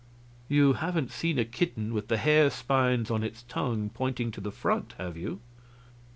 "You haven't seen a kitten with the hair spines on its tongue pointing to the front, have you?"